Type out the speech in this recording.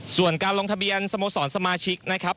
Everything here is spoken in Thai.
ส่วนการลงทะเบียนสโมสรสมาชิกนะครับ